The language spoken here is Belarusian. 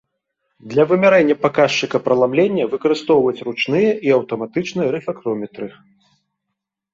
Для вымярэння паказчыка праламлення выкарыстоўваюць ручныя і аўтаматычныя рэфрактометры.